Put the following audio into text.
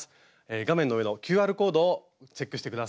画面の上のＱＲコードをチェックして下さい。